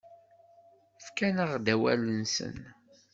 Fkan-aɣ-d awal-nsen.